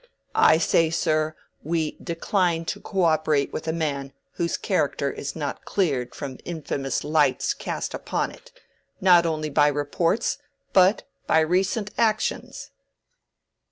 I say, sir, we decline to co operate with a man whose character is not cleared from infamous lights cast upon it, not only by reports but by recent actions."